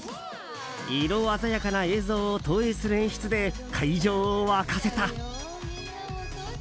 色鮮やかな映像を投影する演出で会場を沸かせた。